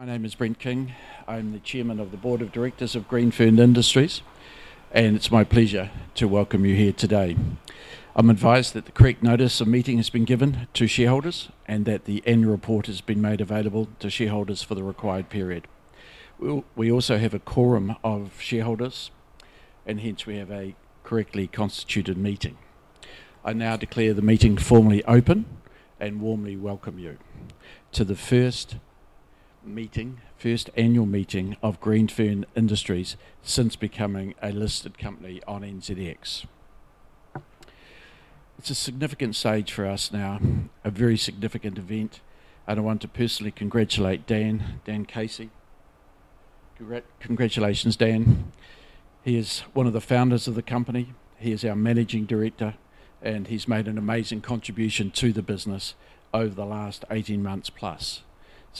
My name is Brent King. I'm the Chairman of the board of directors of Greenfern Industries, and it's my pleasure to welcome you here today. I'm advised that the correct notice of meeting has been given to shareholders and that the annual report has been made available to shareholders for the required period. We also have a quorum of shareholders, and hence we have a correctly constituted meeting. I now declare the meeting formally open and warmly welcome you to the first meeting, first annual meeting of Greenfern Industries since becoming a listed company on NZX. It's a significant stage for us now, a very significant event, and I want to personally congratulate Dan Casey. Congratulations, Dan. He is one of the founders of the company. He is our Managing Director, and he's made an amazing contribution to the business over the last 18 months plus.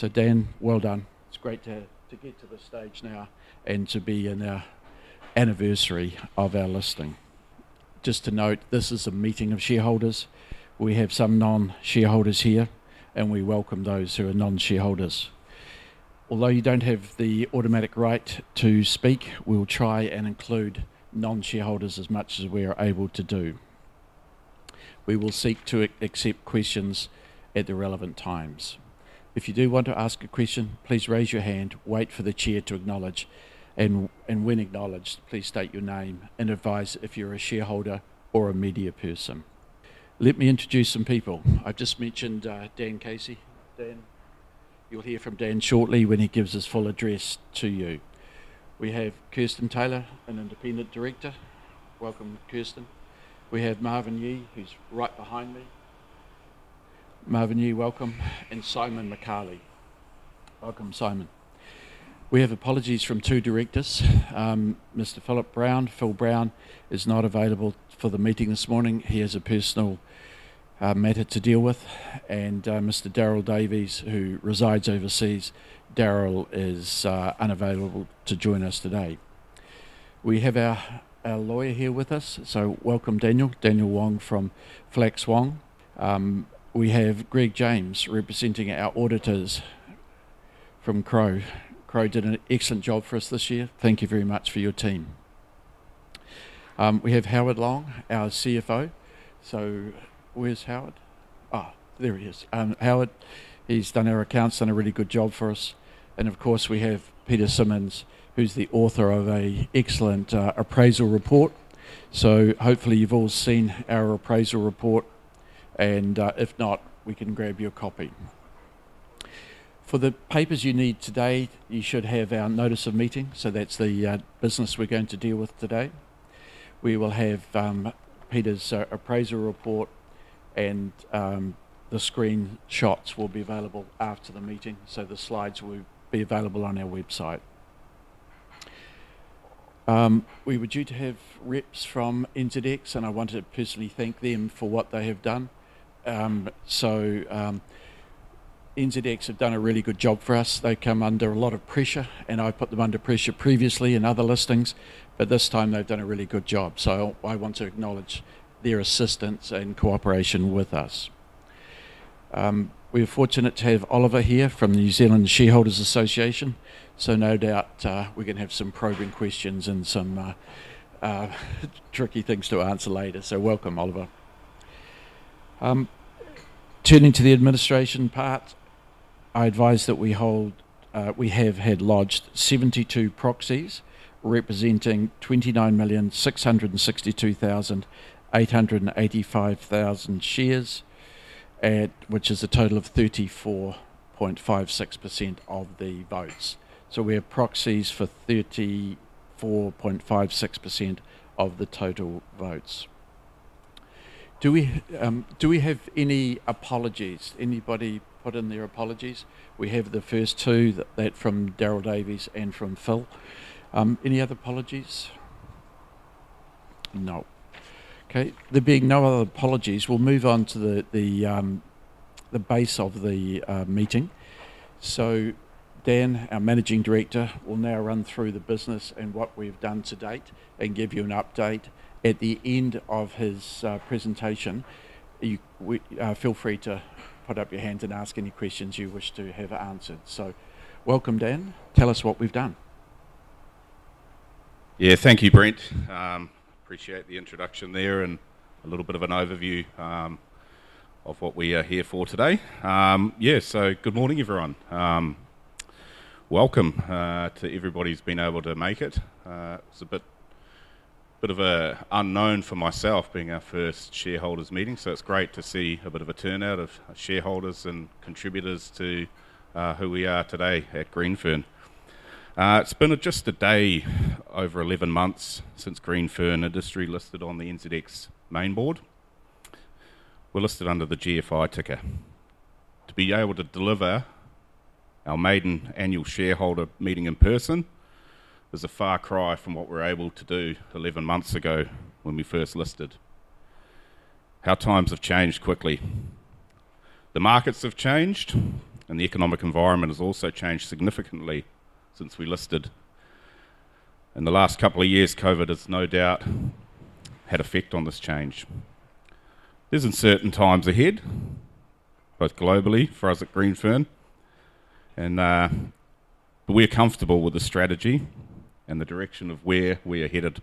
Dan, well done. It's great to get to this stage now and to be in our anniversary of our listing. Just to note, this is a meeting of shareholders. We have some non-shareholders here, and we welcome those who are non-shareholders. Although you don't have the automatic right to speak, we will try and include non-shareholders as much as we are able to do. We will seek to accept questions at the relevant times. If you do want to ask a question, please raise your hand, wait for the chair to acknowledge, and when acknowledged, please state your name and advise if you're a shareholder or a media person. Let me introduce some people. I've just mentioned Dan Casey. Dan. You'll hear from Dan shortly when he gives his full address to you. We have Kirsten Taylor, an independent director. Welcome, Kirsten. We have Marvin Yee, who's right behind me. Marvin Yee, welcome. Simon McArdle. Welcome, Simon. We have apologies from two directors. Mr. Philip Brown, Phil Brown, is not available for the meeting this morning. He has a personal matter to deal with. Mr. Darryl Davies, who resides overseas, Daryl is unavailable to join us today. We have our lawyer here with us, so welcome, Daniel. Daniel Wong from Flacks & Wong. We have Greg James representing our auditors from Crowe. Crowe did an excellent job for us this year. Thank you very much for your team. We have Hao Long, our CFO. Where's Howard? There he is. Hao Long, he's done our accounts, done a really good job for us. Of course, we have Peter Simmons, who's the author of an excellent appraisal report. Hopefully you've all seen our appraisal report, and if not, we can grab you a copy. For the papers you need today, you should have our notice of meeting, so that's the business we're going to deal with today. We will have Peter's appraisal report, and the screenshots will be available after the meeting, so the slides will be available on our website. We were due to have reps from NZX, and I want to personally thank them for what they have done. NZX have done a really good job for us. They come under a lot of pressure, and I put them under pressure previously in other listings, but this time they've done a really good job. I want to acknowledge their assistance and cooperation with us. We are fortunate to have Oliver here from the New Zealand Shareholders' Association, no doubt, we're gonna have some probing questions and some tricky things to answer later. Welcome, Oliver. Turning to the administration part, I advise that we have had lodged 72 proxies representing 29,662,885 shares, which is a total of 34.56% of the votes. We have proxies for 34.56% of the total votes. Do we have any apologies? Anybody put in their apologies? We have the first two that from Darryl Davies and from Phil Brown. Any other apologies? No. Okay. There being no other apologies, we'll move on to the business of the meeting. Dan, our Managing Director, will now run through the business and what we've done to date and give you an update. At the end of his presentation, we feel free to put up your hands and ask any questions you wish to have answered. Welcome, Dan. Tell us what we've done. Yeah. Thank you, Brent. Appreciate the introduction there and a little bit of an overview of what we are here for today. Yeah, good morning, everyone. Welcome to everybody who's been able to make it. It's a bit of an unknown for myself being our first shareholders meeting. It's great to see a bit of a turnout of shareholders and contributors to who we are today at Greenfern. It's been just a day over 11 months since Greenfern Industries listed on the NZX main board. We're listed under the GFI ticker. To be able to deliver our maiden annual shareholder meeting in person is a far cry from what we were able to do 11 months ago when we first listed. How times have changed quickly. The markets have changed, and the economic environment has also changed significantly since we listed. In the last couple of years, COVID has no doubt had effect on this change. These are uncertain times ahead, both globally for us at Greenfern, and but we're comfortable with the strategy and the direction of where we are headed.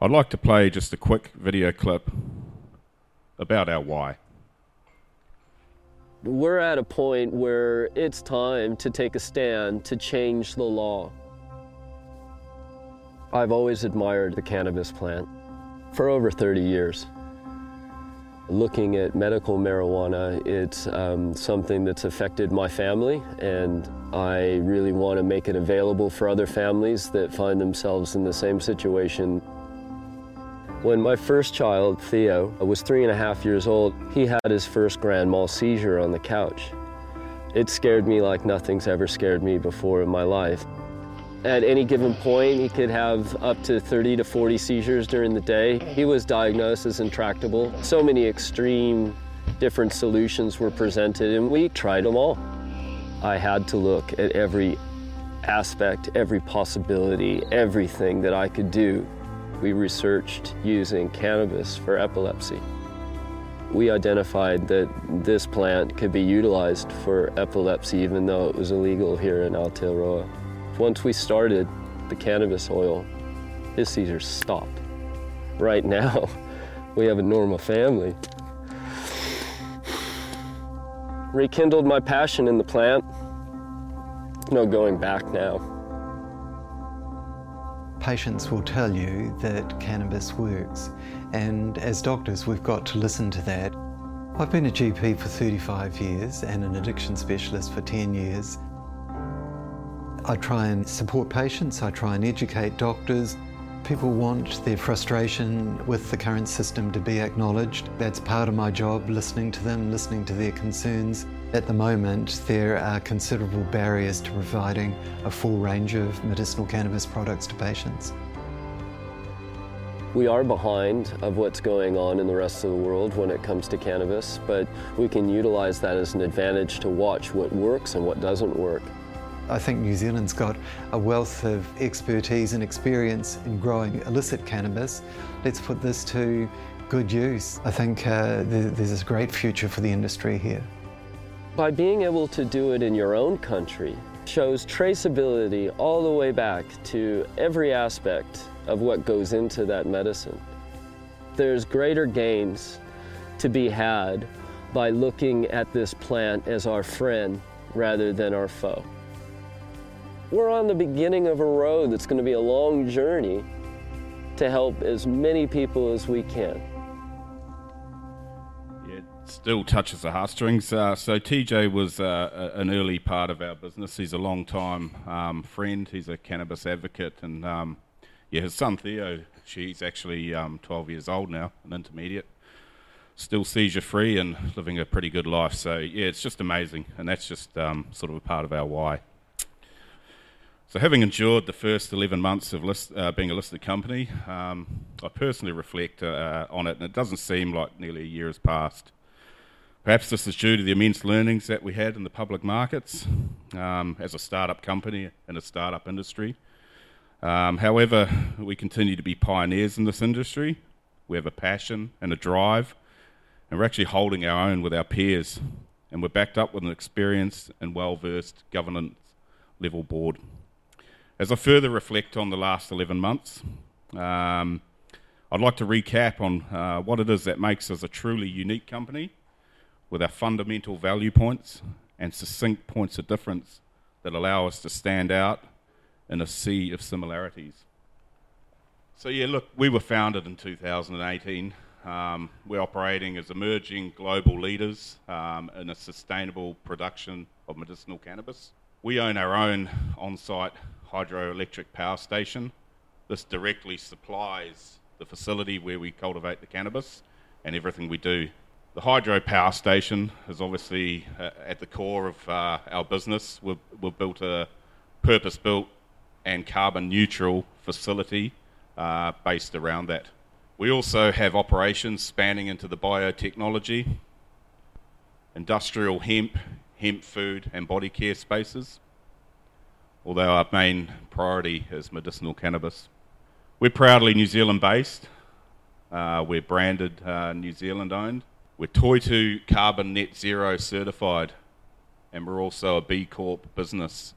I'd like to play just a quick video clip about our why. We're at a point where it's time to take a stand to change the law. I've always admired the cannabis plant for over 30 years. Looking at medical marijuana, it's something that's affected my family, and I really wanna make it available for other families that find themselves in the same situation. When my first child, Theo, was three and a half years old, he had his first grand mal seizure on the couch. It scared me like nothing's ever scared me before in my life. At any given point, he could have up to 30 to 40 seizures during the day. He was diagnosed as intractable. So many extremely different solutions were presented, and we tried them all. I had to look at every aspect, every possibility, everything that I could do. We researched using cannabis for epilepsy. We identified that this plant could be utilized for epilepsy even though it was illegal here in Aotearoa. Once we started the cannabis oil, his seizures stopped. Right now, we have a normal family. Rekindled my passion in the plant. No going back now. Patients will tell you that cannabis works, and as doctors, we've got to listen to that. I've been a GP for 35 years and an addiction specialist for 10 years. I try and support patients. I try and educate doctors. People want their frustration with the current system to be acknowledged. That's part of my job, listening to them, listening to their concerns. At the moment, there are considerable barriers to providing a full range of medicinal cannabis products to patients. We are behind of what's going on in the rest of the world when it comes to cannabis, but we can utilize that as an advantage to watch what works and what doesn't work. I think New Zealand's got a wealth of expertise and experience in growing illicit cannabis. Let's put this to good use. I think, there's this great future for the industry here. By being able to do it in your own country shows traceability all the way back to every aspect of what goes into that medicine. There's greater gains to be had by looking at this plant as our friend rather than our foe. We're on the beginning of a road that's gonna be a long journey to help as many people as we can. Yeah, it still touches the heartstrings. TJ was an early part of our business. He's a longtime friend. He's a cannabis advocate, and yeah, his son, Theo, she's actually 12 years old now, an intermediate, still seizure-free and living a pretty good life. Yeah, it's just amazing, and that's just sort of a part of our why. Having endured the first 11 months of being a listed company, I personally reflect on it, and it doesn't seem like nearly a year has passed. Perhaps this is due to the immense learnings that we had in the public markets, as a startup company in a startup industry. However, we continue to be pioneers in this industry. We have a passion and a drive, and we're actually holding our own with our peers, and we're backed up with an experienced and well-versed governance level board. As I further reflect on the last 11 months, I'd like to recap on what it is that makes us a truly unique company with our fundamental value points and succinct points of difference that allow us to stand out in a sea of similarities. Yeah, look, we were founded in 2018. We're operating as emerging global leaders in a sustainable production of medicinal cannabis. We own our own on-site hydroelectric power station. This directly supplies the facility where we cultivate the cannabis and everything we do. The hydropower station is obviously at the core of our business. We've built a purpose-built and carbon neutral facility based around that. We also have operations spanning into the biotechnology, industrial hemp food, and body care spaces, although our main priority is medicinal cannabis. We're proudly New Zealand-based. We're branded, New Zealand-owned. We're Toitū net carbonzero certified, and we're also a B Corp business,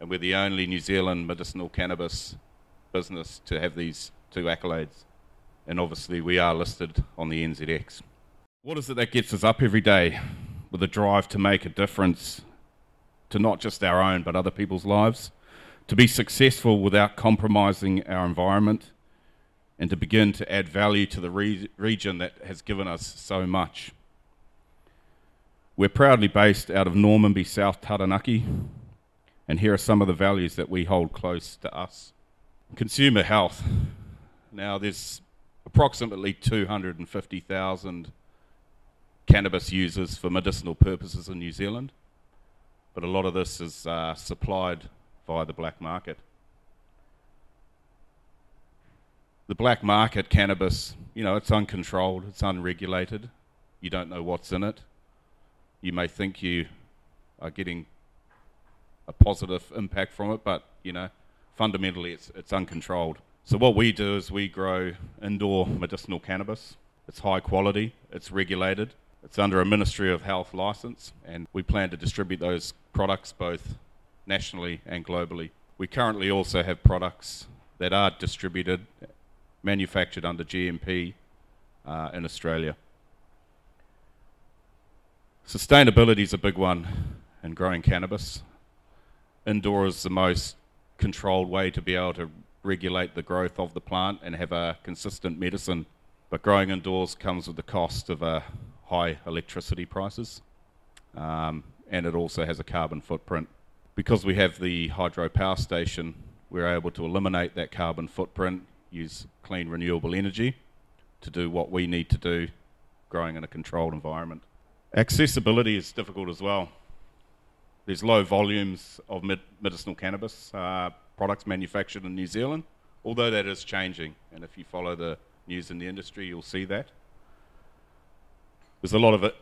and we're the only New Zealand medicinal cannabis business to have these two accolades, and obviously, we are listed on the NZX. What is it that gets us up every day with a drive to make a difference to not just our own but other people's lives, to be successful without compromising our environment, and to begin to add value to the region that has given us so much? We're proudly based out of Normanby South Taranaki, and here are some of the values that we hold close to us. Consumer health. Now, there's approximately 250,000 cannabis users for medicinal purposes in New Zealand, but a lot of this is supplied via the black market. The black market cannabis, you know, it's uncontrolled, it's unregulated. You don't know what's in it. You may think you are getting a positive impact from it, but, you know, fundamentally it's uncontrolled. What we do is we grow indoor medicinal cannabis. It's high quality, it's regulated, it's under a Ministry of Health license, and we plan to distribute those products both nationally and globally. We currently also have products that are distributed, manufactured under GMP in Australia. Sustainability is a big one in growing cannabis. Indoor is the most controlled way to be able to regulate the growth of the plant and have a consistent medicine. Growing indoors comes with the cost of high electricity prices, and it also has a carbon footprint. Because we have the hydro power station, we're able to eliminate that carbon footprint, use clean, renewable energy to do what we need to do growing in a controlled environment. Accessibility is difficult as well. There's low volumes of medicinal cannabis products manufactured in New Zealand, although that is changing, and if you follow the news in the industry, you'll see that. There's a lot of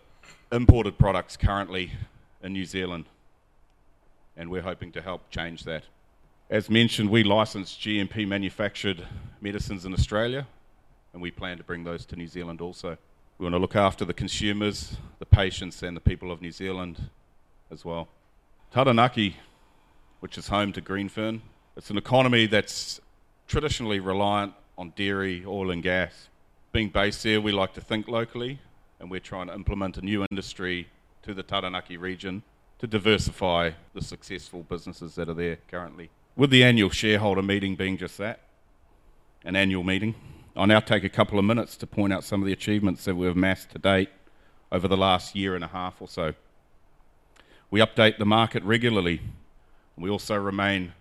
imported products currently in New Zealand, and we're hoping to help change that. As mentioned, we license GMP manufactured medicines in Australia, and we plan to bring those to New Zealand also. We want to look after the consumers, the patients, and the people of New Zealand as well. Taranaki, which is home to Greenfern, it's an economy that's traditionally reliant on dairy, oil, and gas. Being based there, we like to think locally, and we're trying to implement a new industry to the Taranaki region to diversify the successful businesses that are there currently. With the annual shareholder meeting being just that, an annual meeting, I'll now take a couple of minutes to point out some of the achievements that we've amassed to date over the last year and a half or so. We update the market regularly, and we also remain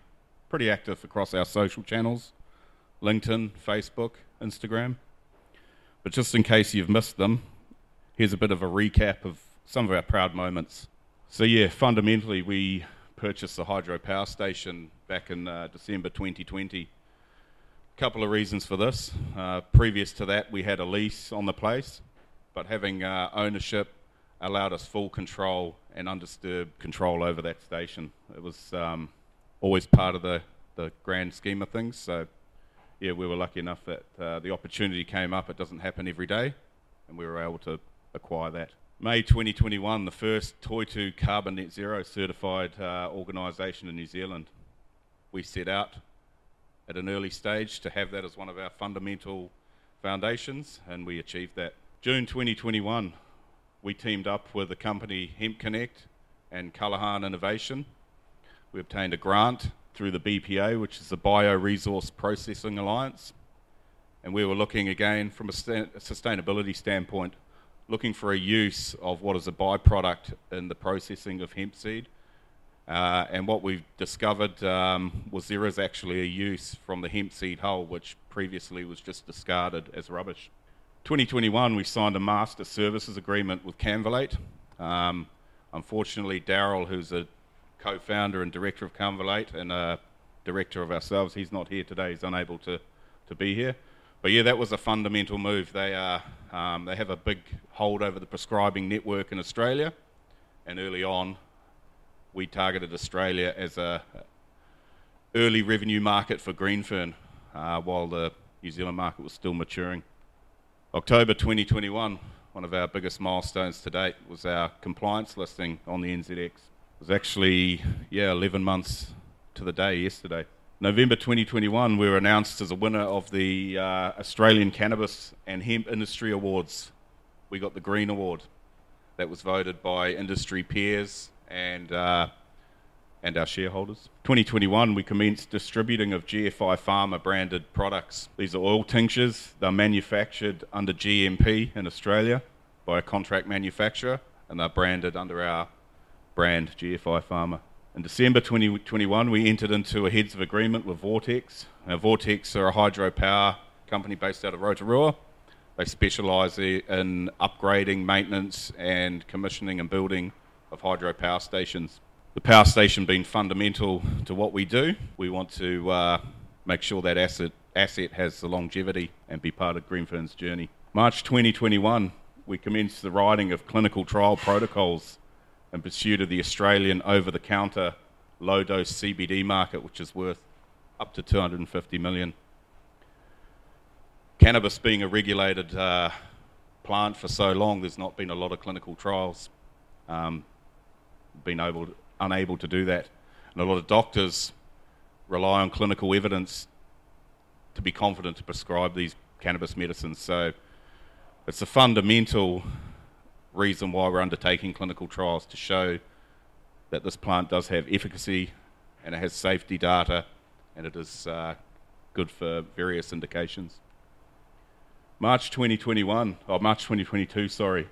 pretty active across our social channels, LinkedIn, Facebook, Instagram. But just in case you've missed them, here's a bit of a recap of some of our proud moments. Yeah, fundamentally, we purchased the hydropower station back in December 2020. A couple of reasons for this. Previous to that, we had a lease on the place, but having ownership allowed us full control and undisturbed control over that station. It was always part of the grand scheme of things, so yeah, we were lucky enough that the opportunity came up. It doesn't happen every day, and we were able to acquire that. May 2021, the first Toitū net carbonzero certified organization in New Zealand. We set out at an early stage to have that as one of our fundamental foundations, and we achieved that. June 2021, we teamed up with a company Hemp Connect and Callaghan Innovation. We obtained a grant through the BPA, which is the Bioresource Processing Alliance. We were looking again from a sustainability standpoint, looking for a use of what is a by-product in the processing of hemp seed. What we've discovered was there is actually a use from the hemp seed hull, which previously was just discarded as rubbish. 2021, we signed a master services agreement with Cannvalate. Unfortunately, Darryl, who's a co-founder and director of Cannvalate and a director of ourselves, he's not here today. He's unable to be here. That was a fundamental move. They have a big hold over the prescribing network in Australia, and early on, we targeted Australia as an early revenue market for Greenfern, while the New Zealand market was still maturing. October 2021, one of our biggest milestones to date was our compliance listing on the NZX. It was actually 11 months to the day yesterday. November 2021, we were announced as a winner of the Australian Cannabis and Hemp Industry Awards. We got the Green Award. That was voted by industry peers and our shareholders. 2021, we commenced distributing of GFI Pharma branded products. These are oil tinctures. They're manufactured under GMP in Australia by a contract manufacturer, and they're branded under our brand, GFI Pharma. In December 2021, we entered into a heads of agreement with Vortex. Now Vortex are a hydropower company based out of Rotorua. They specialize in upgrading, maintenance, and commissioning and building of hydropower stations. The power station being fundamental to what we do, we want to make sure that asset has the longevity and be part of Greenfern's journey. March 2021, we commenced the writing of clinical trial protocols in pursuit of the Australian over-the-counter low-dose CBD market, which is worth up to 250 million. Cannabis being a regulated plant for so long, there's not been a lot of clinical trials, unable to do that. A lot of doctors rely on clinical evidence to be confident to prescribe these cannabis medicines. It's a fundamental reason why we're undertaking clinical trials to show that this plant does have efficacy, and it has safety data, and it is good for various indications. March 2021, or March 2022, sorry,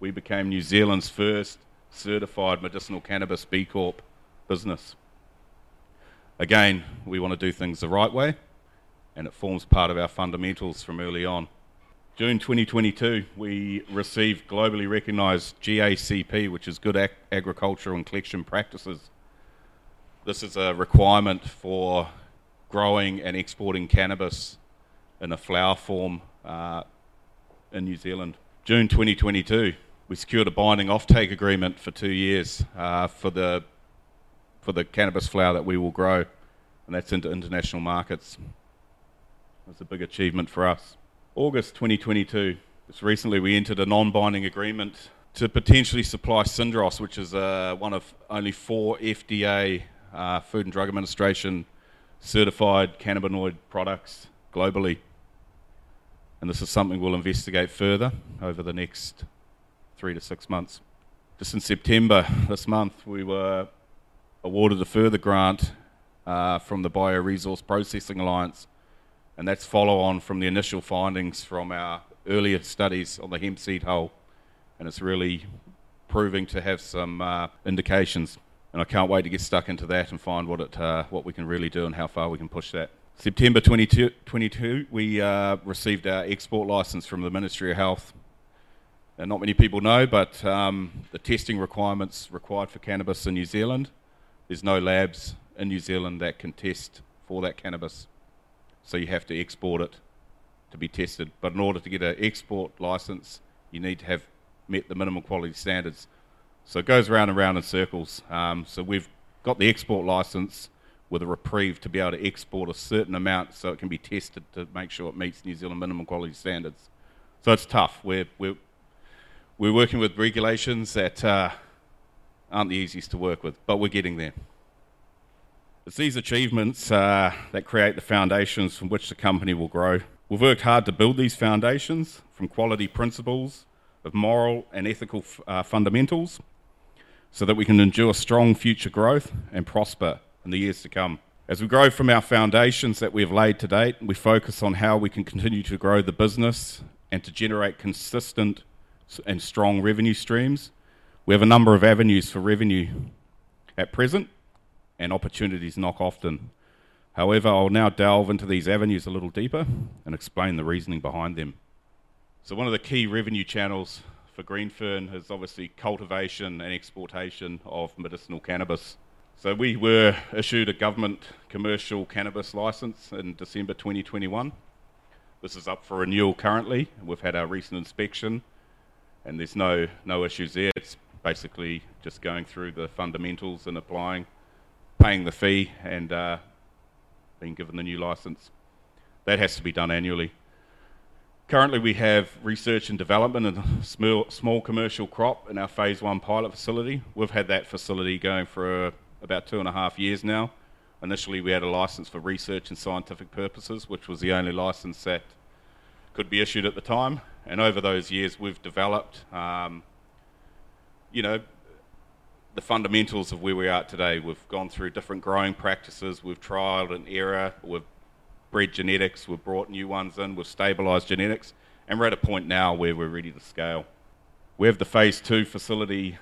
we became New Zealand's first certified medicinal cannabis B Corp business. Again, we wanna do things the right way, and it forms part of our fundamentals from early on. June 2022, we received globally recognized GACP, which is Good Agricultural and Collection Practices. This is a requirement for growing and exporting cannabis in a flower form in New Zealand. June 2022, we secured a binding offtake agreement for two years, for the cannabis flower that we will grow, and that's into international markets. That's a big achievement for us. August 2022, just recently we entered a non-binding agreement to potentially supply Syndros, which is, one of only four FDA, Food and Drug Administration certified cannabinoid products globally. This is something we'll investigate further over the next three to six months. Just in September, this month, we were awarded a further grant, from the Bioresource Processing Alliance, and that's follow on from the initial findings from our earlier studies on the hemp seed hull, and it's really proving to have some, indications. I can't wait to get stuck into that and find what we can really do and how far we can push that. September 22, 2022, we received our export license from the Ministry of Health. Not many people know, but the testing requirements required for cannabis in New Zealand, there's no labs in New Zealand that can test for that cannabis, so you have to export it to be tested. In order to get an export license, you need to have met the minimum quality standards. It goes round and round in circles. We've got the export license with a reprieve to be able to export a certain amount so it can be tested to make sure it meets New Zealand minimum quality standards. It's tough. We're working with regulations that aren't the easiest to work with, but we're getting there. It's these achievements that create the foundations from which the company will grow. We've worked hard to build these foundations from quality principles of moral and ethical fundamentals so that we can endure strong future growth and prosper in the years to come. As we grow from our foundations that we have laid to date, we focus on how we can continue to grow the business and to generate consistent and strong revenue streams. We have a number of avenues for revenue at present, and opportunities knock often. However, I will now delve into these avenues a little deeper and explain the reasoning behind them. One of the key revenue channels for Greenfern is obviously cultivation and exportation of medicinal cannabis. We were issued a government commercial cannabis license in December 2021. This is up for renewal currently. We've had our recent inspection and there's no issues there. It's basically just going through the fundamentals and applying, paying the fee, and being given the new license. That has to be done annually. Currently, we have research and development and small commercial crop in our phase one pilot facility. We've had that facility going for about two and a half years now. Initially, we had a license for research and scientific purposes, which was the only license that could be issued at the time. Over those years, we've developed, you know, the fundamentals of where we are today. We've gone through different growing practices. We've trial and error. We've bred genetics. We've brought new ones in. We've stabilized genetics. We're at a point now where we're ready to scale. We have the phase II facility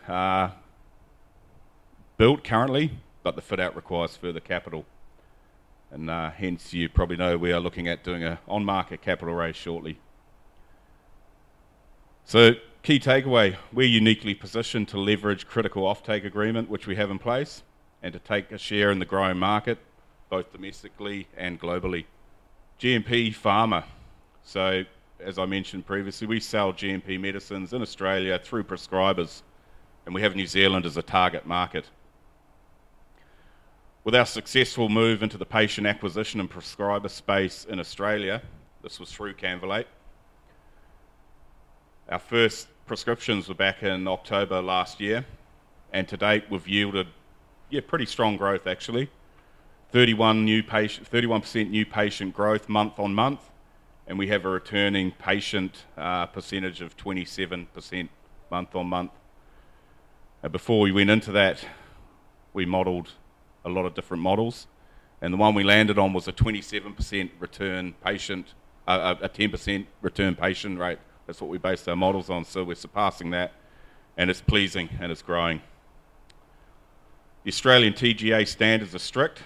built currently, but the fit out requires further capital and hence you probably know we are looking at doing a on market capital raise shortly. Key takeaway, we're uniquely positioned to leverage critical offtake agreement, which we have in place, and to take a share in the growing market, both domestically and globally. GMP pharma. As I mentioned previously, we sell GMP medicines in Australia through prescribers, and we have New Zealand as a target market. With our successful move into the patient acquisition and prescriber space in Australia, this was through Cannvalate. Our first prescriptions were back in October last year, and to date we've yielded, yeah, pretty strong growth actually. 31% new patient growth month-on-month, and we have a returning patient percentage of 27% month-on-month. Before we went into that, we modeled a lot of different models, and the one we landed on was a 10% return patient rate. That's what we based our models on. We're surpassing that, and it's pleasing and it's growing. The Australian TGA standards are strict,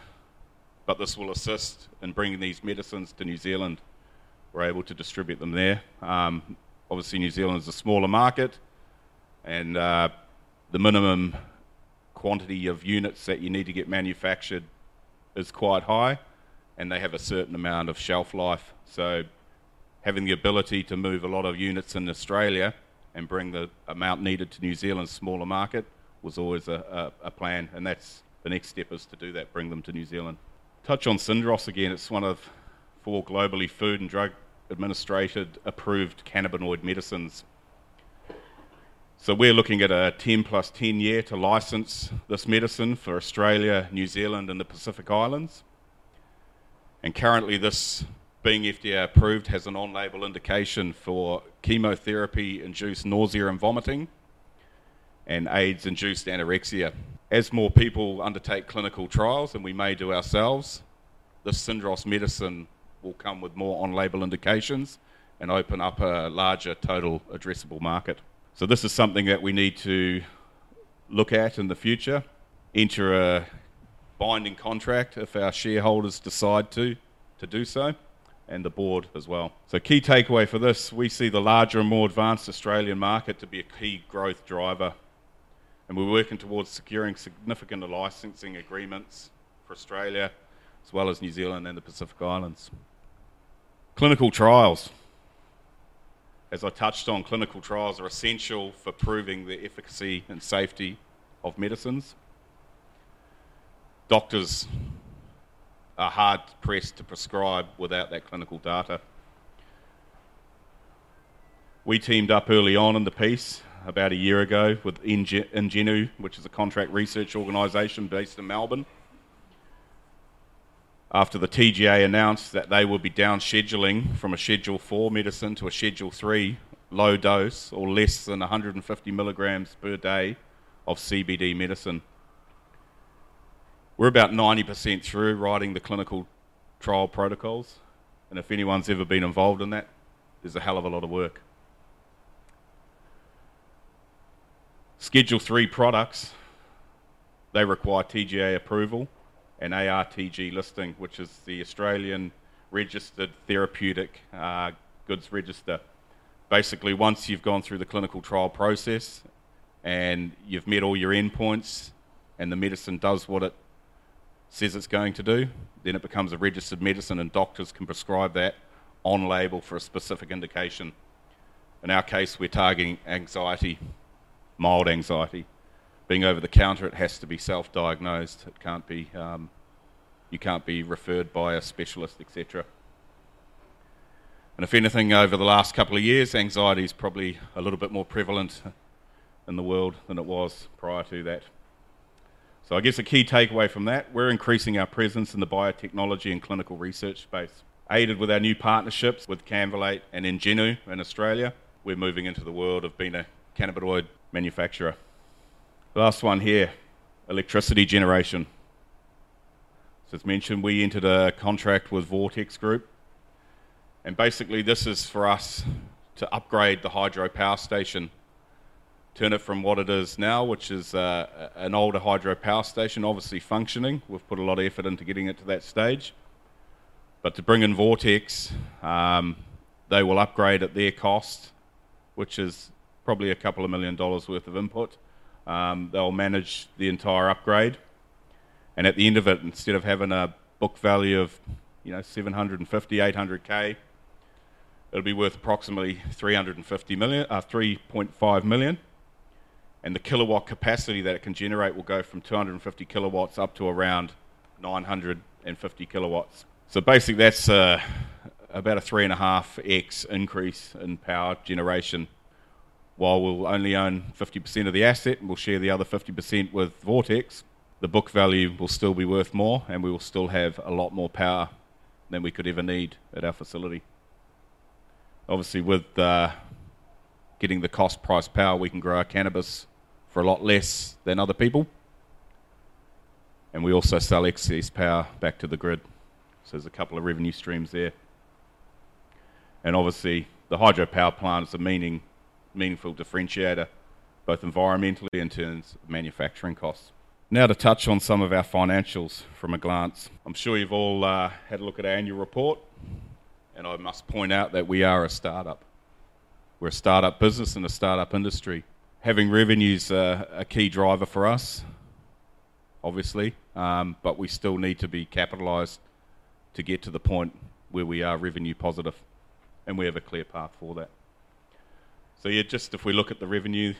but this will assist in bringing these medicines to New Zealand. We're able to distribute them there. Obviously, New Zealand is a smaller market and the minimum quantity of units that you need to get manufactured is quite high, and they have a certain amount of shelf life. Having the ability to move a lot of units in Australia and bring the amount needed to New Zealand's smaller market was always a plan. That's the next step is to do that, bring them to New Zealand. Touch on Syndros again. It's one of four globally FDA-approved cannabinoid medicines. We're looking at a 10 + 10 year to license this medicine for Australia, New Zealand and the Pacific Islands. Currently this being FDA-approved has an on-label indication for chemotherapy-induced nausea and vomiting and AIDS-induced anorexia. As more people undertake clinical trials, and we may do ourselves, the Syndros medicine will come with more on-label indications and open up a larger total addressable market. This is something that we need to look at in the future, enter a binding contract if our shareholders decide to do so. The board as well. Key takeaway for this, we see the larger and more advanced Australian market to be a key growth driver, and we're working towards securing significant licensing agreements for Australia as well as New Zealand and the Pacific Islands. Clinical trials. As I touched on, clinical trials are essential for proving the efficacy and safety of medicines. Doctors are hard-pressed to prescribe without that clinical data. We teamed up early on in the piece about a year ago with iNGENū, which is a contract research organization based in Melbourne. After the TGA announced that they will be down scheduling from a Schedule IV medicine to a Schedule III low dose or less than 150 milligrams per day of CBD medicine. We're about 90% through writing the clinical trial protocols, and if anyone's ever been involved in that, there's a hell of a lot of work. Schedule III products, they require TGA approval and ARTG listing, which is the Australian Register of Therapeutic Goods. Basically, once you've gone through the clinical trial process, and you've met all your endpoints, and the medicine does what it says it's going to do, then it becomes a registered medicine, and doctors can prescribe that on label for a specific indication. In our case, we're targeting anxiety, mild anxiety. Being over the counter, it has to be self-diagnosed. It can't be, you can't be referred by a specialist, et cetera. If anything, over the last couple of years, anxiety's probably a little bit more prevalent in the world than it was prior to that. I guess a key takeaway from that, we're increasing our presence in the biotechnology and clinical research space. Aided with our new partnerships with Cannvalate and iNGENū in Australia, we're moving into the world of being a cannabinoid manufacturer. Last one here, electricity generation. As mentioned, we entered a contract with Vortex Group, and basically, this is for us to upgrade the hydropower station, turn it from what it is now, which is an older hydropower station, obviously functioning. We've put a lot of effort into getting it to that stage. To bring in Vortex, they will upgrade at their cost, which is probably a couple of million New Zealand Dollars worth of input. They'll manage the entire upgrade, and at the end of it, instead of having a book value of, you know, 750,000-800,000, it'll be worth approximately 350 million, 3.5 million, and the kilowatt capacity that it can generate will go from 250 kW up to around 950 kW. Basically, that's about a 3.5x increase in power generation. While we'll only own 50% of the asset, and we'll share the other 50% with Vortex, the book value will still be worth more, and we will still have a lot more power than we could ever need at our facility. Obviously, with getting the cost price power, we can grow our cannabis for a lot less than other people, and we also sell excess power back to the grid. There's a couple of revenue streams there. Obviously, the hydropower plant is a meaningful differentiator, both environmentally in terms of manufacturing costs. Now to touch on some of our financials at a glance. I'm sure you've all had a look at our annual report, and I must point out that we are a startup. We're a startup business in a startup industry. Having revenue is a key driver for us, obviously, but we still need to be capitalized to get to the point where we are revenue positive, and we have a clear path for that. Yeah, just if we look at the revenue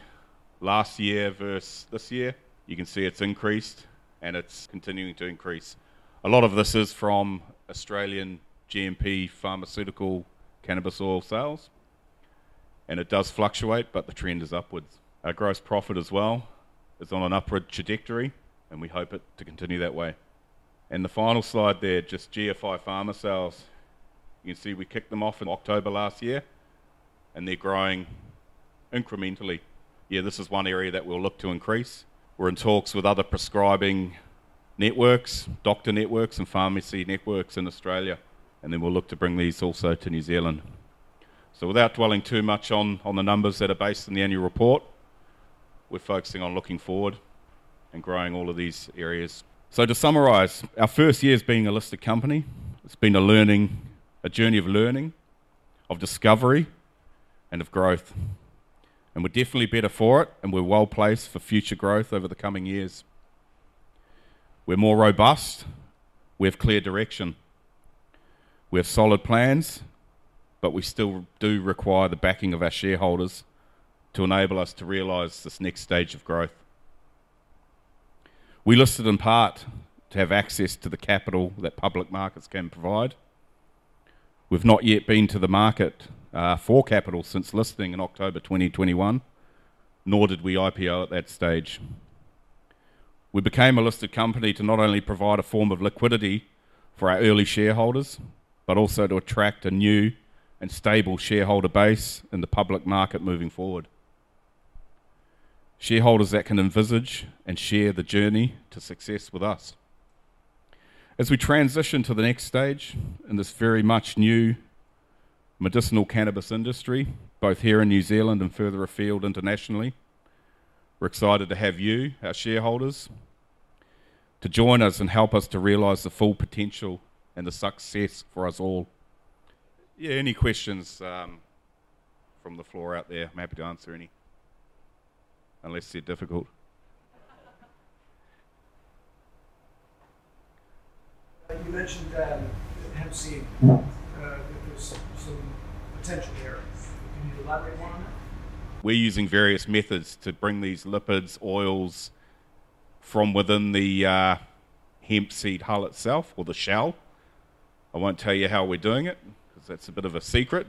last year versus this year, you can see it's increased, and it's continuing to increase. A lot of this is from Australian GMP pharmaceutical cannabis oil sales, and it does fluctuate, but the trend is upwards. Our gross profit as well is on an upward trajectory, and we hope it to continue that way. The final slide there, just GFI Pharma sales. You can see we kicked them off in October last year, and they're growing incrementally. Yeah, this is one area that we'll look to increase. We're in talks with other prescribing networks, doctor networks, and pharmacy networks in Australia, and then we'll look to bring these also to New Zealand. Without dwelling too much on the numbers that are based in the annual report, we're focusing on looking forward and growing all of these areas. To summarize, our first year as being a listed company, it's been a journey of learning, of discovery, and of growth, and we're definitely better for it. We're well-placed for future growth over the coming years. We're more robust. We have clear direction. We have solid plans, but we still do require the backing of our shareholders to enable us to realize this next stage of growth. We listed in part to have access to the capital that public markets can provide. We've not yet been to the market for capital since listing in October 2021, nor did we IPO at that stage. We became a listed company to not only provide a form of liquidity for our early shareholders but also to attract a new and stable shareholder base in the public market moving forward. Shareholders that can envisage and share the journey to success with us. As we transition to the next stage in this very much new medicinal cannabis industry, both here in New Zealand and further afield internationally, we're excited to have you, our shareholders to join us and help us to realize the full potential and the success for us all. Yeah, any questions, from the floor out there? I'm happy to answer any, unless they're difficult. You mentioned hemp seed. That there's some potential there. Can you elaborate more on that? We're using various methods to bring these lipids, oils from within the hemp seed hull itself or the shell. I won't tell you how we're doing it 'cause that's a bit of a secret.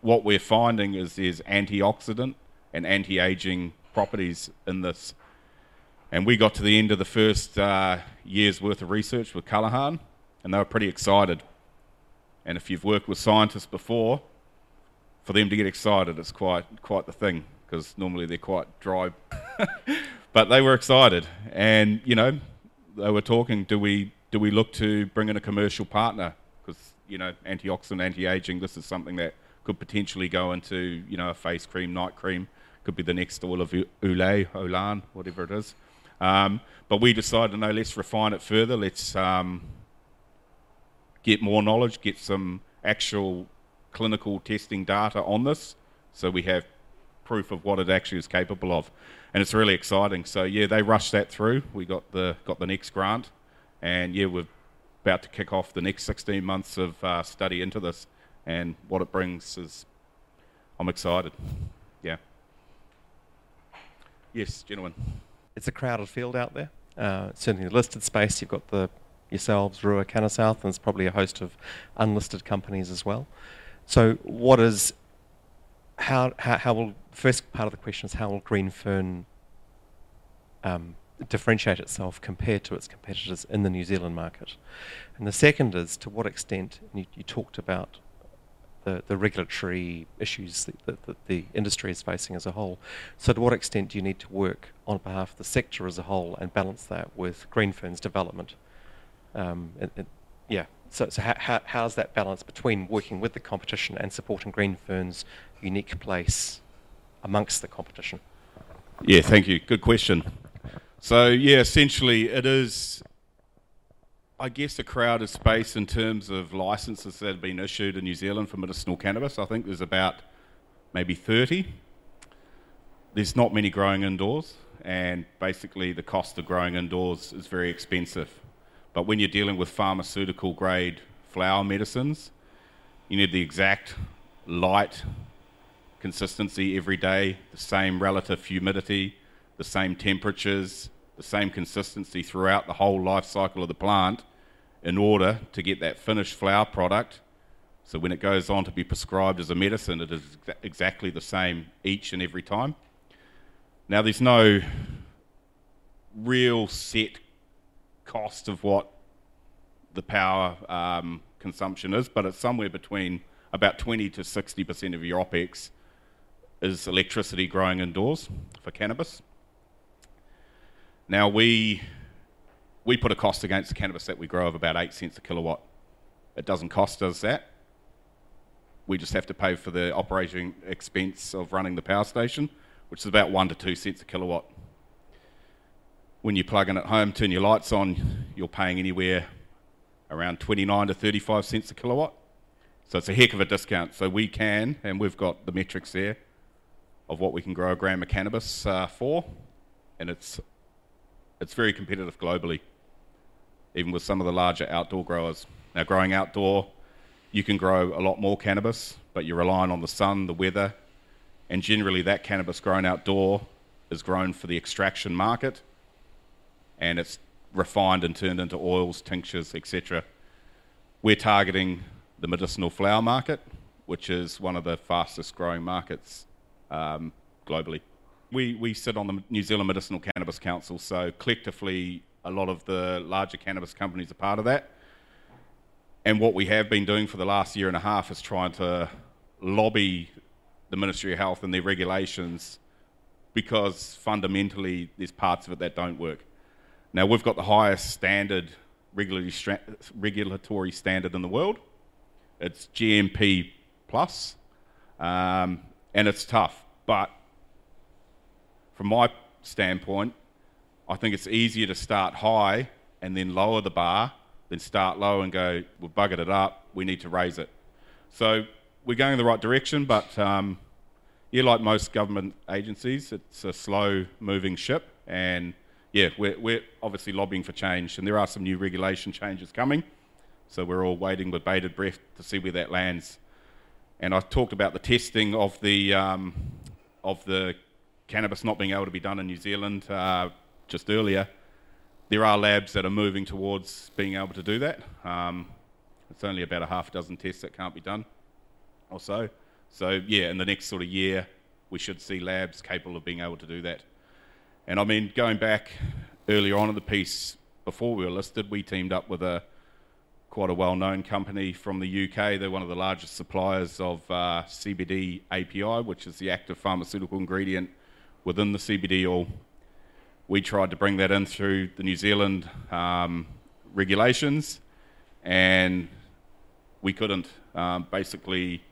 What we're finding is antioxidant and anti-aging properties in this. We got to the end of the first years' worth of research with Callaghan, and they were pretty excited. If you've worked with scientists before, for them to get excited is quite the thing 'cause normally they're quite dry. They were excited and, you know, they were talking, do we look to bring in a commercial partner? You know, antioxidant, anti-aging, this is something that could potentially go into, you know, a face cream, night cream, could be the next Oil of Olay, whatever it is. We decided, no, let's refine it further. Let's get more knowledge, get some actual clinical testing data on this, so we have proof of what it actually is capable of, and it's really exciting. Yeah, they rushed that through. We got the next grant, and yeah, we're about to kick off the next 16 months of study into this and what it brings is I'm excited. Yeah. Yes, gentlemen. It's a crowded field out there, certainly in the listed space. You've got yourselves, Rua Bioscience, Cannasouth, and there's probably a host of unlisted companies as well. First part of the question is how will Greenfern differentiate itself compared to its competitors in the New Zealand market? The second is, to what extent, and you talked about the regulatory issues that the industry is facing as a whole. To what extent do you need to work on behalf of the sector as a whole and balance that with Greenfern's development? How is that balance between working with the competition and supporting Greenfern's unique place amongst the competition? Yeah. Thank you. Good question. Yeah, essentially, it is, I guess, a crowded space in terms of licenses that have been issued in New Zealand for medicinal cannabis. I think there's about maybe 30. There's not many growing indoors, and basically, the cost of growing indoors is very expensive. When you're dealing with pharmaceutical-grade flower medicines, you need the exact light consistency every day, the same relative humidity, the same temperatures, the same consistency throughout the whole life cycle of the plant in order to get that finished flower product, so when it goes on to be prescribed as a medicine, it is exactly the same each and every time. Now, there's no real set cost of what the power consumption is, but it's somewhere between about 20%-60% of your OpEx is electricity growing indoors for cannabis. Now, we put a cost against the cannabis that we grow of about 0.08 a kilowatt. It doesn't cost us that. We just have to pay for the operating expense of running the power station, which is about 0.01-0.02 a kilowatt. When you plug in at home, turn your lights on, you're paying anywhere around 0.29-0.35 a kilowatt. It's a heck of a discount. We can, and we've got the metrics there of what we can grow a gram of cannabis for, and it's very competitive globally, even with some of the larger outdoor growers. Now, growing outdoor, you can grow a lot more cannabis, but you're relying on the sun, the weather, and generally, that cannabis grown outdoor is grown for the extraction market, and it's refined and turned into oils, tinctures, et cetera. We're targeting the medicinal flower market, which is one of the fastest-growing markets, globally. We sit on the New Zealand Medicinal Cannabis Council, so collectively, a lot of the larger cannabis companies are part of that. What we have been doing for the last year and a half is trying to lobby the Ministry of Health and their regulations because fundamentally, there's parts of it that don't work. Now, we've got the highest regulatory standard in the world. It's GMP Plus. It's tough. From my standpoint, I think it's easier to start high and then lower the bar than start low and go, "We've buggered it up. We need to raise it." We're going in the right direction, but, yeah, like most government agencies, it's a slow-moving ship. Yeah, we're obviously lobbying for change, and there are some new regulatory changes coming, so we're all waiting with bated breath to see where that lands. I've talked about the testing of the cannabis not being able to be done in New Zealand just earlier. There are labs that are moving towards being able to do that. It's only about a half dozen tests that can't be done or so. Yeah, in the next sort of year, we should see labs capable of being able to do that. I mean, going back earlier on in the piece, before we were listed, we teamed up with a quite a well-known company from the U.K. They're one of the largest suppliers of CBD API, which is the active pharmaceutical ingredient within the CBD oil. We tried to bring that in through the New Zealand regulations, and we couldn't, basically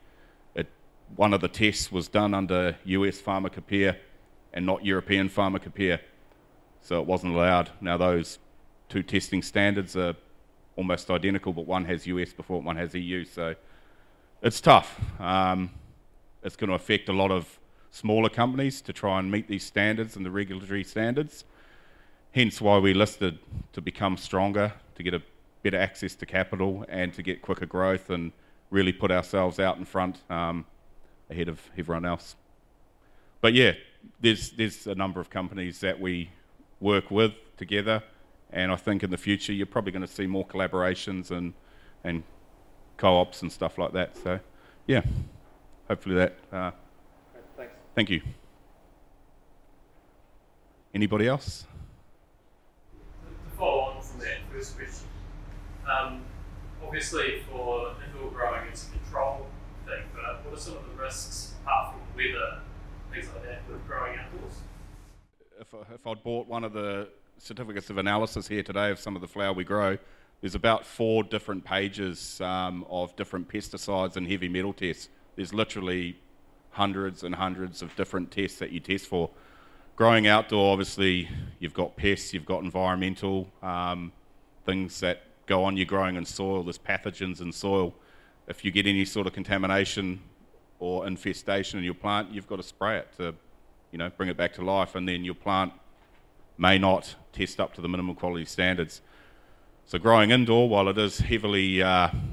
one of the tests was done under U.S. Pharmacopeia and not European Pharmacopoeia, so it wasn't allowed. Now, those two testing standards are almost identical, but one has U.S. before it, one has E.U. It's tough. It's gonna affect a lot of smaller companies to try and meet these standards and the regulatory standards, hence why we listed to become stronger, to get a better access to capital, and to get quicker growth and really put ourselves out in front, ahead of everyone else. Yeah, there's a number of companies that we work with together, and I think in the future you're probably gonna see more collaborations and co-ops and stuff like that. Yeah, hopefully that. Great. Thanks. Thank you. Anybody else? To follow on from that first question, obviously for indoor growing it's a control thing, but what are some of the risks, apart from weather, things like that, with growing outdoors? If I'd brought one of the certificates of analysis here today of some of the flower we grow, there's about four different pages of different pesticides and heavy metal tests. There's literally hundreds and hundreds of different tests that you test for. Growing outdoor, obviously you've got pests, you've got environmental things that go on. You're growing in soil, there's pathogens in soil. If you get any sort of contamination or infestation in your plant, you've got to spray it to, you know, bring it back to life, and then your plant may not test up to the minimum quality standards. Growing indoor, while it is heavily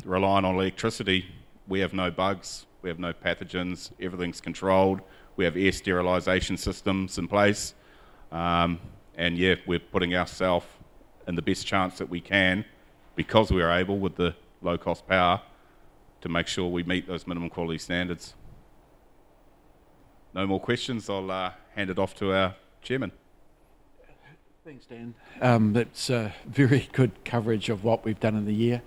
reliant on electricity, we have no bugs, we have no pathogens, everything's controlled. We have air sterilization systems in place. Yeah, we're putting ourselves in the best chance that we can because we are able, with the low-cost power, to make sure we meet those minimum quality standards. No more questions, I'll hand it off to our chairman. Thanks, Dan. That's very good coverage of what we've done in the year.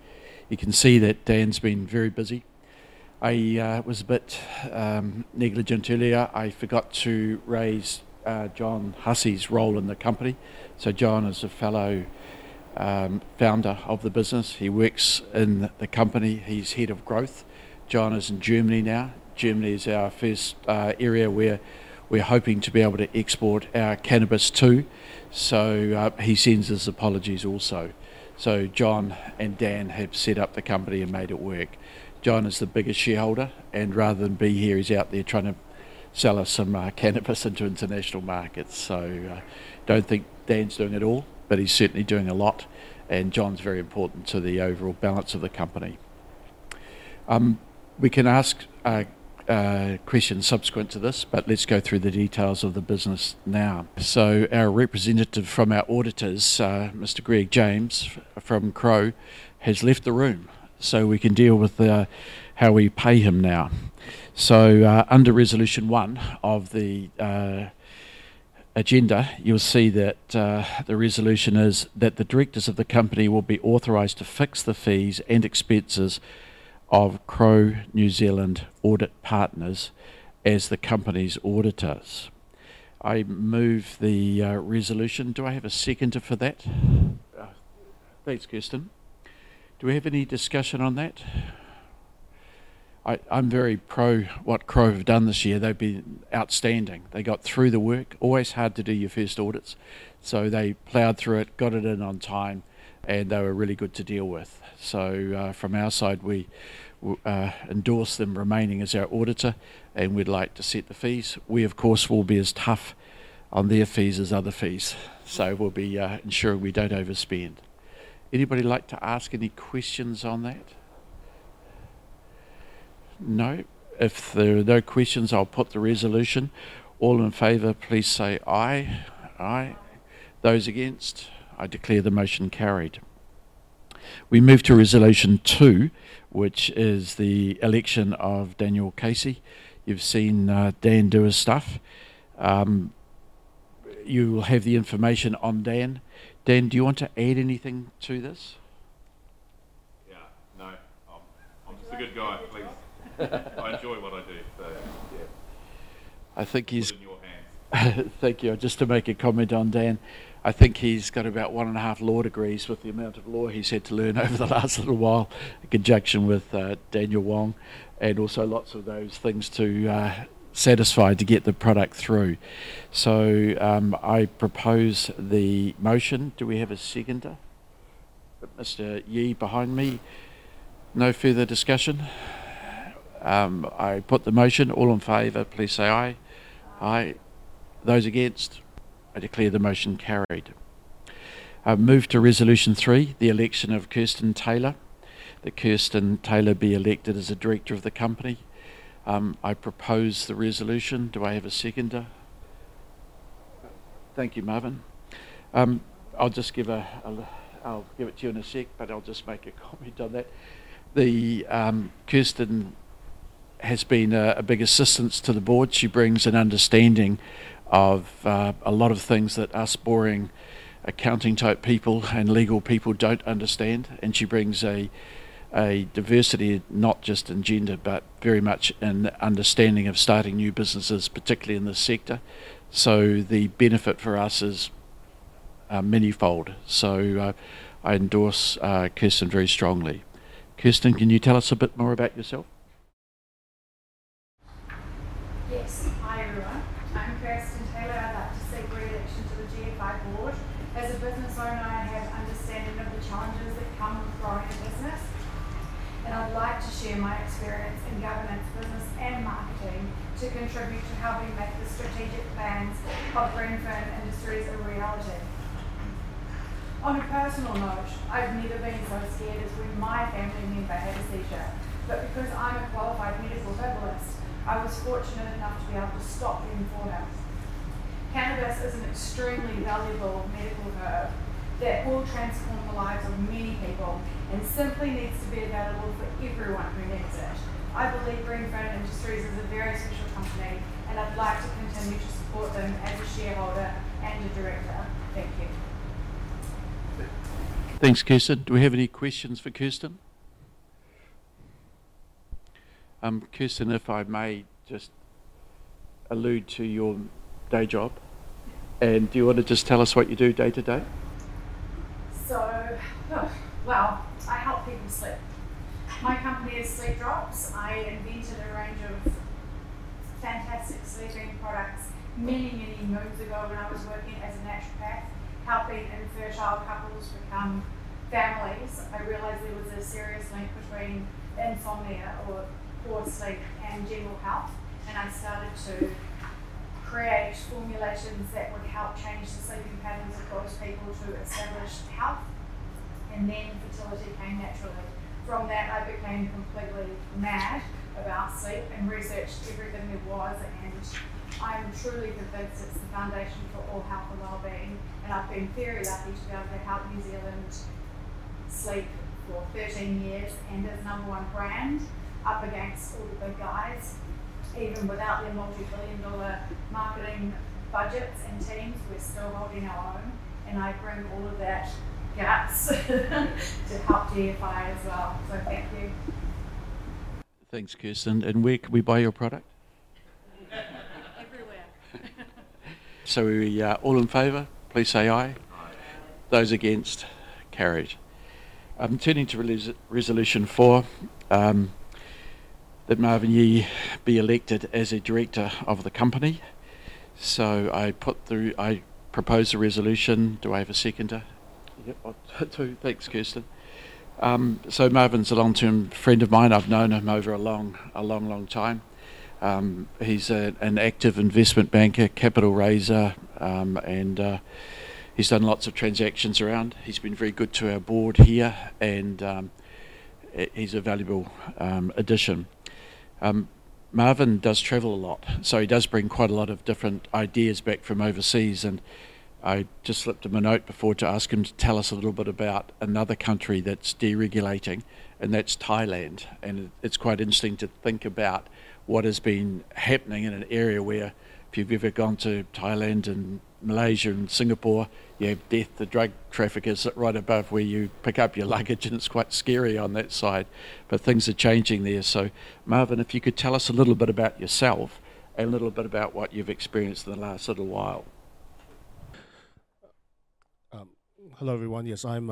You can see that Dan's been very busy. I was a bit negligent earlier. I forgot to raise John Hussey's role in the company. John is a fellow founder of the business. He works in the company. He's Head of Growth. John is in Germany now. Germany is our first area we're hoping to be able to export our cannabis to. He sends his apologies also. John and Dan have set up the company and made it work. John is the biggest shareholder, and rather than be here, he's out there trying to sell us some cannabis into international markets. Don't think Dan's doing it all, but he's certainly doing a lot, and John's very important to the overall balance of the company. We can ask questions subsequent to this, but let's go through the details of the business now. Our representative from our auditors, Mr. Greg James from Crowe, has left the room, so we can deal with how we pay him now. Under resolution one of the agenda, you'll see that the resolution is that the directors of the company will be authorized to fix the fees and expenses of Crowe New Zealand Audit Partnership as the company's auditors. I move the resolution. Do I have a seconder for that? Yeah. Thanks, Kirsten. Do we have any discussion on that? I'm very pro what Crowe have done this year. They've been outstanding. They got through the work. Always hard to do your first audits, so they plowed through it, got it in on time, and they were really good to deal with. From our side, we endorse them remaining as our auditor, and we'd like to set the fees. We of course will be as tough on their fees as other fees. We'll be ensuring we don't overspend. Anybody like to ask any questions on that? No? If there are no questions, I'll put the resolution. All in favor, please say aye. Aye. Aye. Those against? I declare the motion carried. We move to resolution two, which is the election of Daniel Casey. You've seen Dan do his stuff. You will have the information on Dan. Dan, do you want to add anything to this? Yeah. No. I'm just a good guy. Please. I enjoy what I do, so yeah. I think he's. All in your hands. Thank you. Just to make a comment on Dan, I think he's got about one and a half law degrees with the amount of law he's had to learn over the last little while in conjunction with Daniel Wong, and also lots of those things to satisfy to get the product through. I propose the motion. Do we have a seconder? Mr. Yee behind me. No further discussion? I put the motion. All in favor, please say aye. Aye. Aye. Those against? I declare the motion carried. I move to resolution three, the election of Kirsten Taylor. That Kirsten Taylor be elected as a director of the company. I propose the resolution. Do I have a seconder? Yeah. Thank you, Marvin. I'll give it to you in a sec, but I'll just make a comment on that. Kirsten has been a big assistance to the board. She brings an understanding of a lot of things that us boring accounting-type people and legal people don't understand, and she brings a diversity not just in gender, but very much in understanding of starting new businesses, particularly in this sector. The benefit for us is manifold. I endorse Kirsten very strongly. Kirsten, can you tell us a bit more about yourself? Yes. Hi, everyone. I'm Kirsten Taylor. I'd like to seek reelection to the GFI board. As a business owner, I have understanding of the challenges that come with growing a business, and I'd like to share my experience in governance, business, and marketing to contribute to helping make the strategic plans of Greenfern Industries a reality. On a personal note, I've never been so scared as when my family member had a seizure. Because I'm a qualified medical herbalist, I was fortunate enough to be able to stop the illness. Cannabis is an extremely valuable medical herb that will transform the lives of many people and simply needs to be available for everyone who needs it. I believe Greenfern Industries is a very special company, and I'd like to continue to support them as a shareholder and a director. Thank you. Thanks, Kirsten. Do we have any questions for Kirsten? Kirsten, if I may just allude to your day job. Do you wanna just tell us what you do day-to-day? Well, I help people sleep. My company is SleepDrops. I invented a range of fantastic sleeping products many, many moons ago when I was working as a naturopath, helping infertile couples become families. I realized there was a serious link between insomnia or poor sleep and general health, and I started to create formulations that would help change the sleeping patterns of those people to establish health. Then fertility came naturally. From that, I became completely mad about sleep and researched everything there was, and I am truly convinced it's the foundation for all health and well-being. I've been very lucky to be able to help New Zealand sleep for 13 years and as number one brand up against all the big guys. Even without their multi-billion-dollar marketing budgets and teams, we're still holding our own, and I bring all of that guts to help GFI as well. Thank you. Thanks, Kirsten. Where can we buy your product? Everywhere. We, all in favor, please say aye. Aye. Those against, carried. I'm turning to resolution four, that Marvin Yee be elected as a director of the company. I propose the resolution. Do I have a seconder? Yep. Two. Thanks, Kirsten. So, Marvin's a long-term friend of mine. I've known him over a long time. He's an active investment banker, capital raiser, and he's done lots of transactions around. He's been very good to our board here, and he's a valuable addition. Marvin does travel a lot, so he does bring quite a lot of different ideas back from overseas. I just slipped him a note before to ask him to tell us a little bit about another country that's deregulating, and that's Thailand. It's quite interesting to think about what has been happening in an area where if you've ever gone to Thailand and Malaysia and Singapore, you have death. The drug traffickers sit right above where you pick up your luggage, and it's quite scary on that side. Things are changing there. Marvin, if you could tell us a little bit about yourself and a little bit about what you've experienced in the last little while. Hello, everyone. Yes, I'm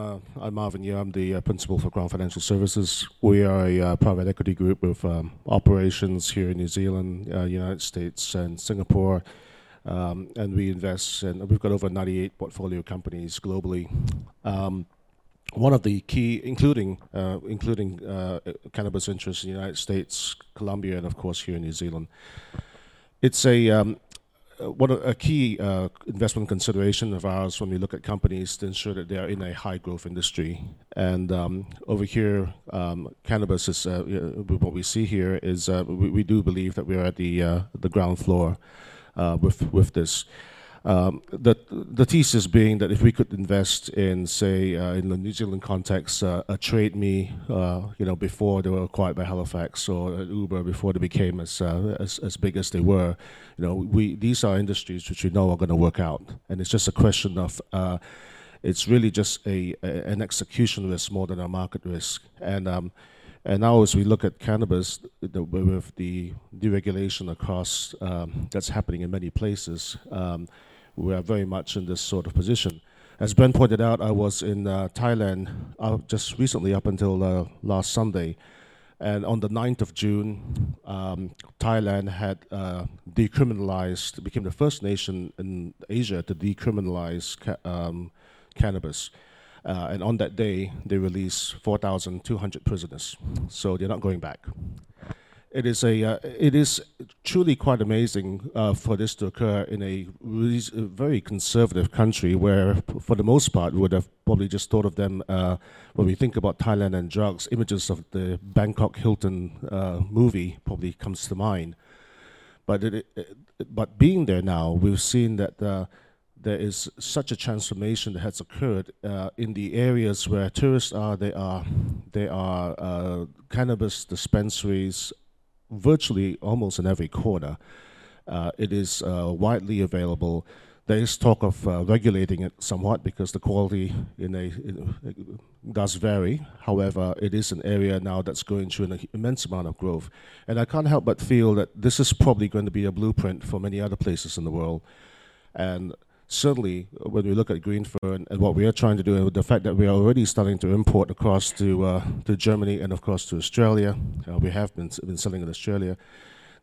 Marvin Yee. I'm the principal for Grant Financial Services. We are a private equity group with operations here in New Zealand, United States and Singapore. We've got over 98 portfolio companies globally. One of the key, including cannabis interests in the United States, Colombia, and of course here in New Zealand. It's a key investment consideration of ours when we look at companies to ensure that they are in a high-growth industry. Over here, cannabis is what we see here is, we do believe that we are at the ground floor with this. The thesis being that if we could invest in, say, in the New Zealand context, a Trade Me, you know, before they were acquired by Apax Partners or Uber before they became as big as they were. You know, these are industries which we know are gonna work out, and it's just a question of, it's really just an execution risk more than a market risk. Now as we look at cannabis with the deregulation across, that's happening in many places, we are very much in this sort of position. As Ben pointed out, I was in Thailand just recently up until last Sunday. On the 9th of June, Thailand had decriminalized, became the first nation in Asia to decriminalize cannabis. On that day, they released 4,200 prisoners. They're not going back. It is truly quite amazing for this to occur in a really very conservative country where for the most part would have probably just thought of them, when we think about Thailand and drugs, images of the Bangkok Hilton movie probably comes to mind. Being there now, we've seen that there is such a transformation that has occurred in the areas where tourists are. There are cannabis dispensaries virtually almost in every corner. It is widely available. There is talk of regulating it somewhat because the quality does vary. However, it is an area now that's going through an immense amount of growth. I can't help but feel that this is probably going to be a blueprint for many other places in the world. Certainly, when we look at Greenfern and what we are trying to do, and with the fact that we are already starting to import across to Germany and of course to Australia, we have been selling in Australia,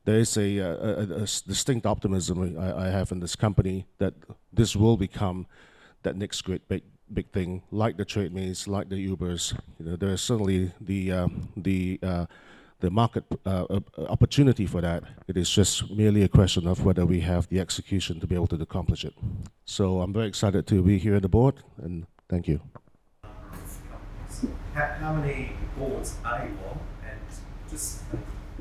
there is a distinct optimism I have in this company that this will become that next great big thing, like the Trade Me's, like the Uber's. You know, there is certainly the market opportunity for that. It is just merely a question of whether we have the execution to be able to accomplish it. I'm very excited to be here at the board, and thank you. Just a couple things. How many boards are you on? Just,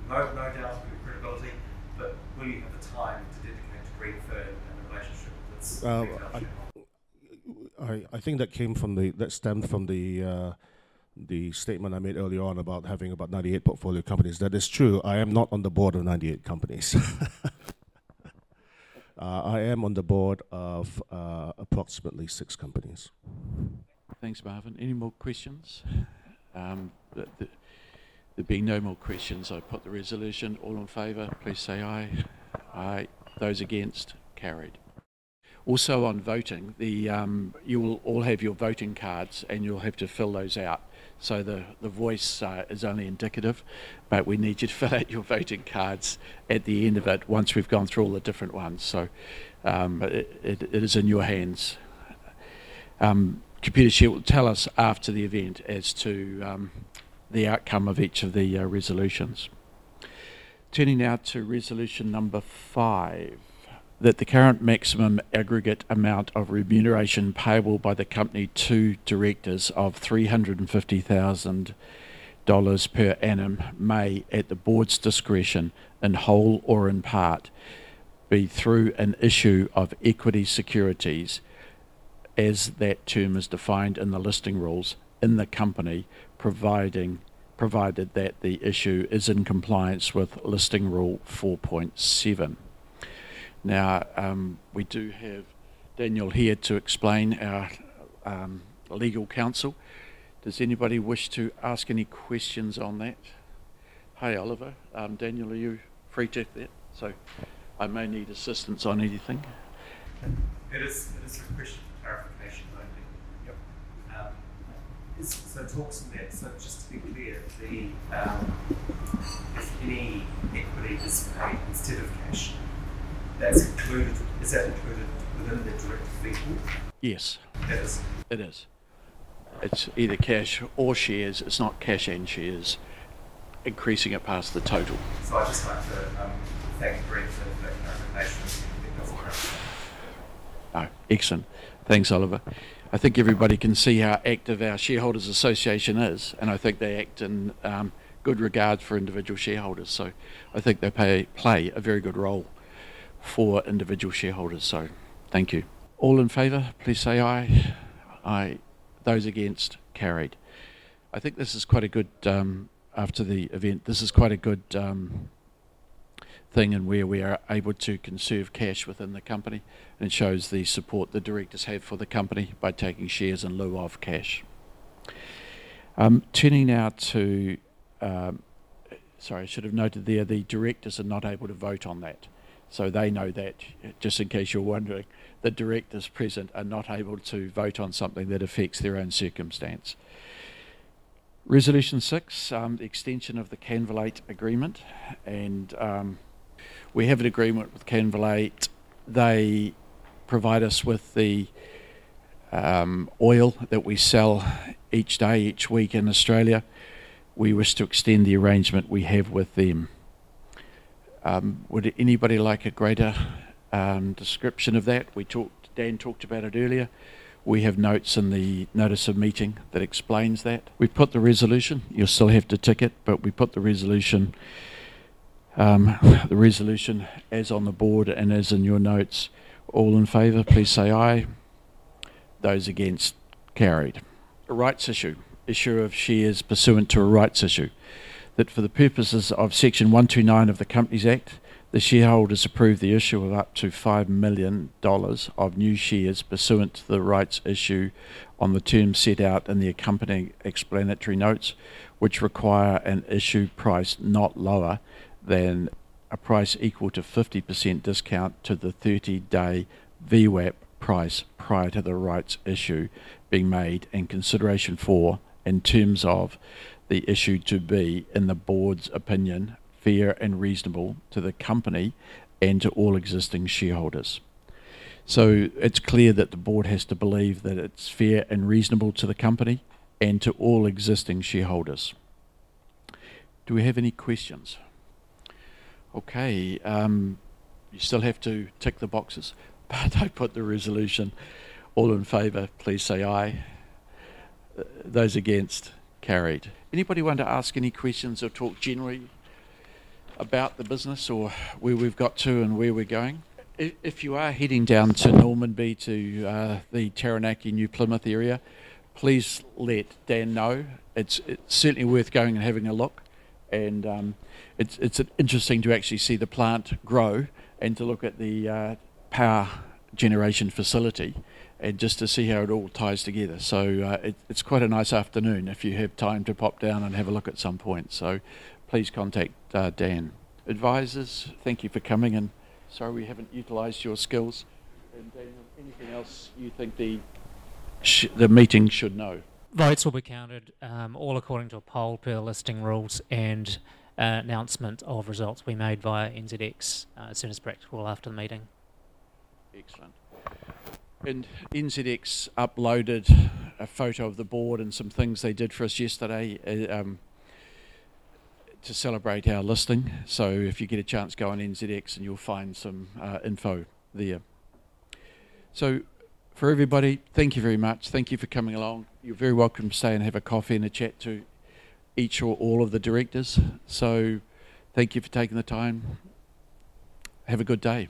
like, no doubts with your credibility, but will you have the time to dedicate to Greenfern and the relationship with its shareholders going forward? Well, I think that stemmed from the statement I made earlier on about having about 98 portfolio companies. That is true. I am not on the board of 98 companies. I am on the board of approximately six companies. Thanks, Marvin. Any more questions? There being no more questions, I put the resolution. All in favor, please say aye. Aye. Those against. Carried. Also, on voting, you will all have your voting cards, and you'll have to fill those out. The voice is only indicative, but we need you to fill out your voting cards at the end of it once we've gone through all the different ones. It is in your hands. Computershare will tell us after the event as to the outcome of each of the resolutions. Turning now to resolution number five, that the current maximum aggregate amount of remuneration payable by the company to directors of 350,000 dollars per annum may, at the board's discretion, in whole or in part, be through an issue of equity securities as that term is defined in the listing rules in the company, provided that the issue is in compliance with Listing Rule 4.7. Now, we do have Daniel here to explain our legal counsel. Does anybody wish to ask any questions on that? Hey, Oliver. Daniel, are you free to take that? I may need assistance on anything. It is a question for clarification only. Yep. Talk to me, just to be clear, if any equity is paid instead of cash, is that included within the director's fee pool? Yes. It is. It is. It's either cash or shares. It's not cash and shares, increasing it past the total. I'd just like to thank Greenfern for their communication and keeping us all. Oh, excellent. Thanks, Oliver. I think everybody can see how active our Shareholders' Association is, and I think they act in good regard for individual shareholders. I think they play a very good role for individual shareholders. Thank you. All in favor, please say aye. Aye. Those against. Carried. I think this is quite a good thing after the event in where we are able to conserve cash within the company and shows the support the directors have for the company by taking shares in lieu of cash. Turning now to. Sorry, I should have noted there, the directors are not able to vote on that, so they know that. Just in case you're wondering, the directors present are not able to vote on something that affects their own circumstance. Resolution six, the extension of the Cannvalate agreement, and we have an agreement with Cannvalate. They provide us with the oil that we sell each day, each week in Australia. We wish to extend the arrangement we have with them. Would anybody like a greater description of that? Dan talked about it earlier. We have notes in the notice of meeting that explains that. We've put the resolution. You'll still have to tick it, but we put the resolution as on the board and as in your notes. All in favor, please say aye. Those against. Carried. A rights issue. Issue of shares pursuant to a rights issue. That for the purposes of Section 129 of the Companies Act, the shareholders approve the issue of up to 5 million dollars of new shares pursuant to the rights issue on the terms set out in the accompanying explanatory notes, which require an issue price not lower than a price equal to 50% discount to the 30-day VWAP price prior to the rights issue being made in consideration for and terms of the issue to be, in the board's opinion, fair and reasonable to the company and to all existing shareholders. It's clear that the board has to believe that it's fair and reasonable to the company and to all existing shareholders. Do we have any questions? Okay, you still have to tick the boxes, but I put the resolution. All in favor, please say aye. Those against. Carried. Anybody want to ask any questions or talk generally about the business or where we've got to and where we're going? If you are heading down to Normanby to the Taranaki, New Plymouth area, please let Dan know. It's certainly worth going and having a look, and it's interesting to actually see the plant grow and to look at the power generation facility and just to see how it all ties together. It's quite a nice afternoon if you have time to pop down and have a look at some point. Please contact Dan. Advisors, thank you for coming, and sorry we haven't utilized your skills. Daniel, anything else you think the meeting should know? Votes will be counted, all according to a poll per listing rules, and an announcement of results will be made via NZX, as soon as practical after the meeting. Excellent. NZX uploaded a photo of the board and some things they did for us yesterday to celebrate our listing. If you get a chance, go on NZX and you'll find some info there. For everybody, thank you very much. Thank you for coming along. You're very welcome to stay and have a coffee and a chat to each or all of the directors. Thank you for taking the time. Have a good day.